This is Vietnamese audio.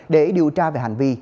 để điều tra về hành vi